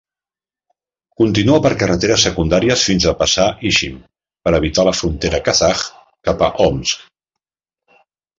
Continua per carreteres secundàries fins a passar Ishim per evitar la frontera kazakh cap a Omsk.